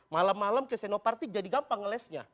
malam malam ke senoparty jadi gampang lesnya